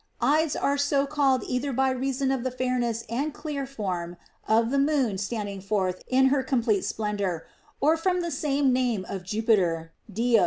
Ides are so called either by reason of the fairness and clear form (είδος) of the moon standing forth in her complete splendor, or from the name of Jupiter (J«v).